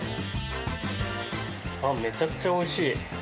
めちゃくちゃ美味しい！